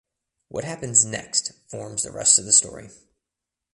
What happens next forms the rest of the story.